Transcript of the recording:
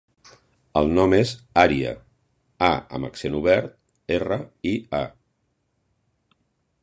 El nom és Ària: a amb accent obert, erra, i, a.